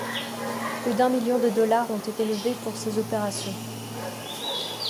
Plus d'un million de dollars ont été levés pour ces opérations.